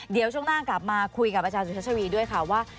เดี๋ยวช่วงหน้ากลับมาคุยกับอาจารย์สุชัชวีด้วยค่ะว่า